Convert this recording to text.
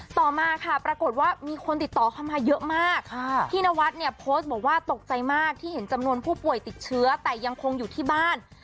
ต่อมาค่ะปรากฏว่ามีคนติดต่อเข้ามาเยอะมากพี่นวัดเนี่ยโพสต์บอกว่าตกใจมากที่เห็นจำนวนผู้ป่วยติดเชื้อแต่ยังคงอยู่ที่บ้าน